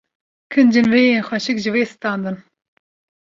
Kincên wê yên xweşik ji wê standin